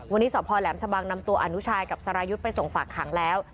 วันนี้สพแหลมชะบังนำตัวอนุชายกับสรายุทธ์ไปส่งฝากขังแล้ว